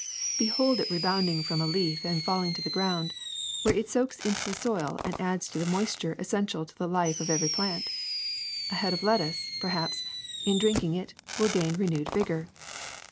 Behold it rebounding from a leaf and falling to the ground, where it soaks into the soil and adds to the moisture essential to the life of every plant. A head of lettuce, perhaps, in drinking it, will gain renewed vigor.